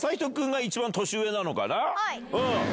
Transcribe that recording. はい。